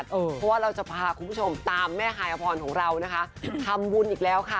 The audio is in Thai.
เพราะว่าเราจะพาคุณผู้ชมตามแม่ฮายอพรของเรานะคะทำบุญอีกแล้วค่ะ